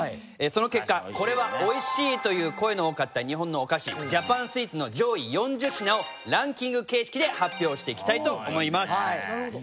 その結果これはおいしい！という声の多かった日本のお菓子ジャパンスイーツの上位４０品をランキング形式で発表していきたいと思います。